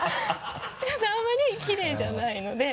ちょっとあんまりきれいじゃないので。